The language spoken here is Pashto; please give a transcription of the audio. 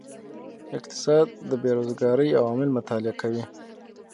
اقتصاد د بیروزګارۍ عوامل مطالعه کوي.